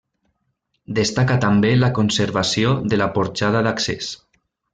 Destaca també la conservació de la porxada d'accés.